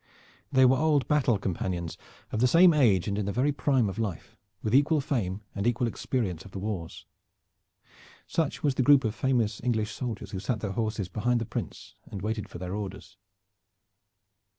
They were old battle companions, of the same age and in the very prime of life, with equal fame and equal experience of the wars. Such was the group of famous English soldiers who sat their horses behind the Prince and waited for their orders.